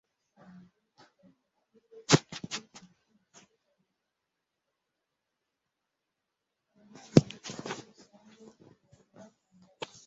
Modem yubatswe muri bibiri na cumi